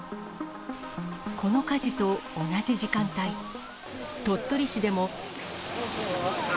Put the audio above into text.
この火事と同じ時間帯、鳥取市でも。